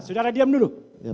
saudara diam dulu